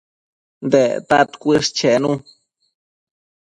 Dectad cuës chenu